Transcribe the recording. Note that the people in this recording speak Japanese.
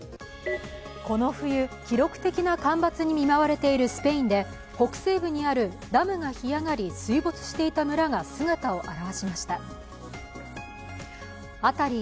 この冬、記録的な干ばつに見舞われているスペインで北西部にあるダムが干上がり水没していた村が姿を現しました。